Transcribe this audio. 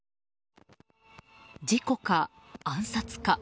事故か、暗殺か。